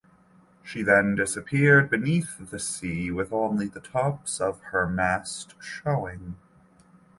She then disappeared beneath the sea with only the tops of her mast showing.